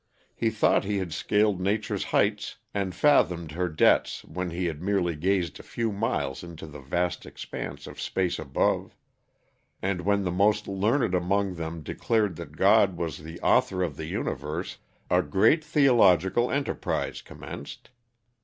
He thought he had scaled nature's heights and fathomed her debts when he had merely gazed a few miles into the vast expanse of space above; and when the most learned among them declared that god was the author of the universe, a great theological enterprise commenced.